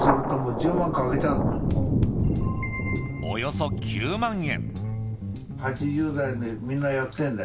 およそ９万円。